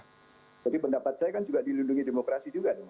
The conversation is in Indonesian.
jadi pendapat saya kan juga dilindungi demokrasi juga